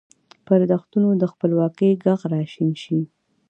پر دښتونو د خپلواکۍ ږغ را شین شي